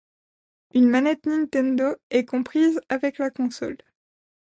Une manette Nintendo est comprise avec la console.